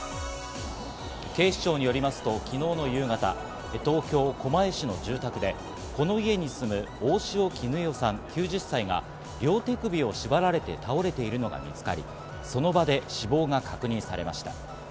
警視庁によりますと昨日の夕方、東京・狛江市の住宅でこの家に住む大塩衣与さん、９０歳が両手首を縛られて倒れているのが見つかり、その場で死亡が確認されました。